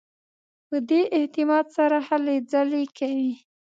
په دې اعتماد سره هلې ځلې کوي.